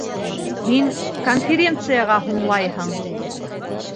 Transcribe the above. Һин конференцияға һуңлайһың!